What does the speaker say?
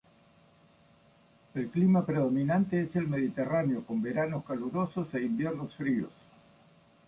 El clima predominante es el mediterráneo, con veranos calurosos e inviernos fríos.